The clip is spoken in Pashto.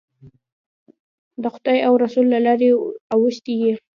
د خدای او رسول له لارې اوښتی یې.